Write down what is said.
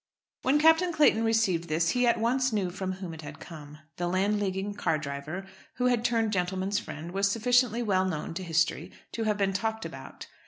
When Captain Clayton received this he at once knew from whom it had come. The Landleaguing car driver, who had turned gentlemen's friend, was sufficiently well known to history to have been talked about.